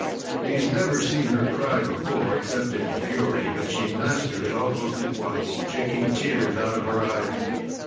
He's never seen her cry before, except in fury. But she mastered it almost at once, shaking tears out of her eyes.